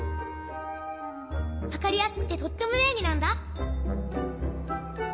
わかりやすくてとってもべんりなんだ。